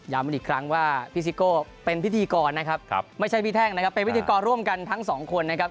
อีกครั้งว่าพี่ซิโก้เป็นพิธีกรนะครับไม่ใช่พี่แท่งนะครับเป็นพิธีกรร่วมกันทั้งสองคนนะครับ